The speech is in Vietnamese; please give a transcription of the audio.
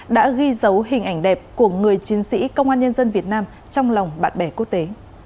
đã ghi dấu hình ảnh đẹp của người chiến sĩ công an nhân dân việt nam trong lòng bạn bè quốc tế